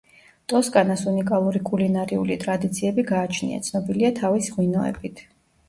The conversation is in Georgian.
ტოსკანას უნიკალური კულინარიული ტრადიციები გააჩნია, ცნობილია თავის ღვინოებით.